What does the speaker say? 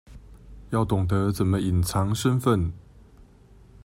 要懂得怎麼隱藏身份